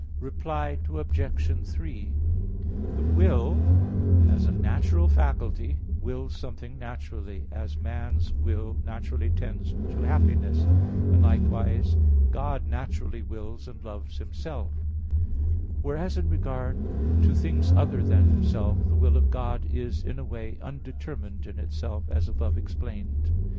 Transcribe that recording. Reply Obj. 3: The will, as a natural faculty, wills something naturally, as man's will naturally tends to happiness; and likewise God naturally wills and loves Himself; whereas in regard to things other than Himself, the will of God is in a way, undetermined in itself, as above explained (Q.